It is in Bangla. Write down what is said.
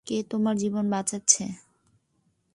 কে তোমার জীবন বাঁচাচ্ছে?